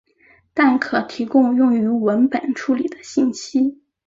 但可提供用于文本处理的信息。